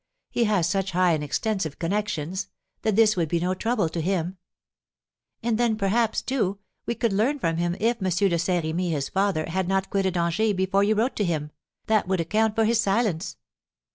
He has such high and extensive connections, that this would be no trouble to him." "And then, perhaps, too, we could learn from him if M. de Saint Remy, his father, had not quitted Angers before you wrote to him: that would account for his silence."